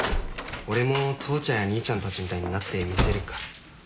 俺も父ちゃんや兄ちゃんたちみたいになってみせるから。